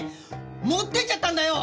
持ってっちゃったんだよ！